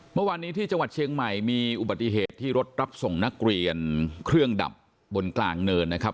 เมื่อวานนี้ที่จังหวัดเชียงใหม่มีอุบัติเหตุที่รถรับส่งนักเรียนเครื่องดับบนกลางเนินนะครับ